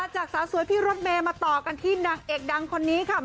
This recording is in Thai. จากสาวสวยพี่รถเมย์มาต่อกันที่นางเอกดังคนนี้ค่ะ